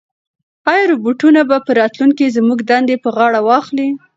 ایا روبوټونه به په راتلونکي کې زموږ دندې په غاړه واخلي؟